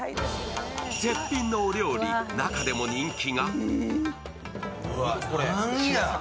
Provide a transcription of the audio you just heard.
絶品のお料理中でも人気が。